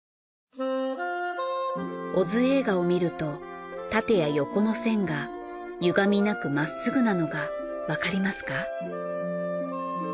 小津映画を見ると縦や横の線がゆがみなくまっすぐなのがわかりますか？